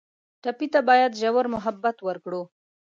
ټپي ته باید ژور محبت ورکړو.